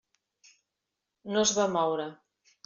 No es va moure.